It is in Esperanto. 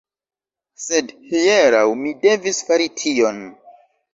Sed, hieraŭ, mi devis fari tion.